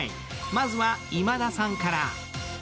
まずは今田さんから。